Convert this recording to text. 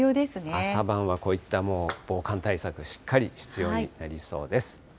朝晩はこういった防寒対策、しっかり必要になりそうです。